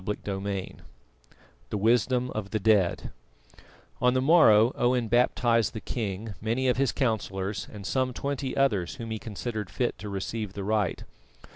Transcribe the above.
CHAPTER XI THE WISDOM OF THE DEAD On the morrow Owen baptised the king, many of his councillors, and some twenty others whom he considered fit to receive the rite.